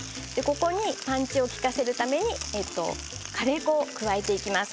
ここにパンチを利かせるためにカレー粉を加えていきます。